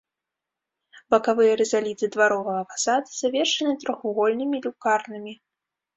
Бакавыя рызаліты дваровага фасада завершаны трохвугольнымі люкарнамі.